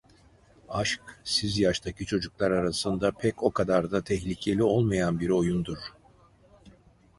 Aşk siz yaştaki çocuklar arasında pek o kadar da tehlikeli olmayan bir oyundur.